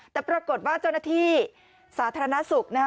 แต่ปรากฏว่าเจ้าหน้าที่สาธารณสุขนะคะ